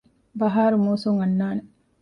ބަހާރު މޫސުން އަންނާނެ